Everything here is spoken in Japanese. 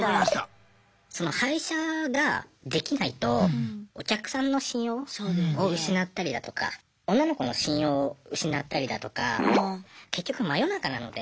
その配車ができないとお客さんの信用を失ったりだとか女の子の信用を失ったりだとか結局真夜中なので。